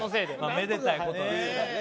めでたいことですね。